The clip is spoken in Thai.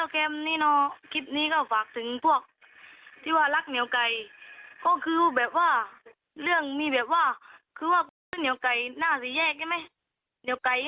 เดินเข้าแป๊บเดี๋ยวนี่หล่อไลน์ใช่ไหม